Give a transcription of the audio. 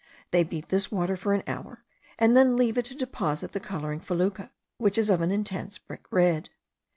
They beat this water for an hour, and then leave it to deposit the colouring fecula, which is of an intense brick red.